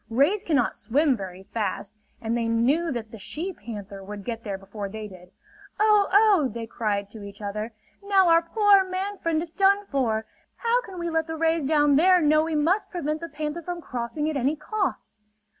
Rays cannot swim very fast, and they knew that the she panther would get there before they did. "Oh, oh!" they cried to each other. "Now our poor man friend is done for. How can we let the rays down there know we must prevent the panther from crossing at any cost?"